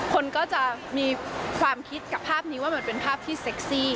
คนก็จะมีความคิดกับภาพนี้ว่ามันเป็นภาพที่เซ็กซี่